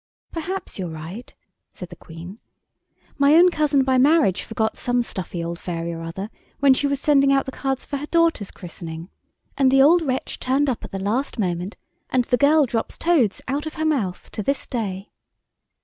"Perhaps you're right," said the Queen. "My own cousin by marriage forgot some stuffy old fairy or other when she was sending out the cards for her daughter's christening, and the old wretch turned up at the last moment, and the girl drops toads out of her mouth to this day."